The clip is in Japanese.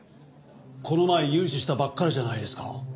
この前融資したばっかりじゃないですか。